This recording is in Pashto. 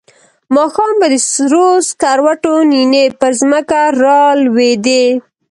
ماښام به د سرو سکروټو نینې پر ځمکه را لوېدې.